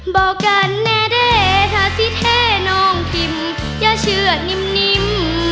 บอกกันแน่ถ้าสิแท้น้องกิมอย่าเชื่อนิม